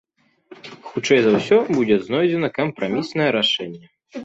Хутчэй за ўсё, будзе знойдзена кампраміснае рашэнне.